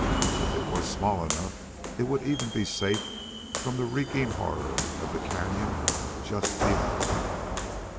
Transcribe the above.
If it was small enough, it would even be safe from the reeking horror of the cañon just below it.